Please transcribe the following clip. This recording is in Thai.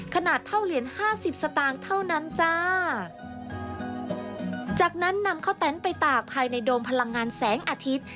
ขนาดเท่าเหรียญห้าสิบสตางค์เท่านั้นจ้าจากนั้นนำข้าวแตนไปตากภายในโดมพลังงานแสงอาทิตย์